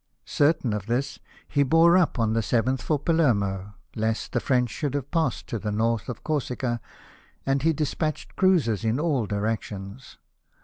Certain of this, he bore up on the 7 th for Palermo, lest the French should have passed to the north of Corsica, and he despatched cruisers in all directions.